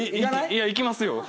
いやいきますよ。